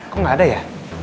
kok gak ada ya